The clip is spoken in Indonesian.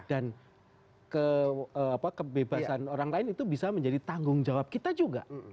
dan kebebasan orang lain itu bisa menjadi tanggung jawab kita juga